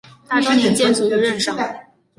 大中年间卒于任上。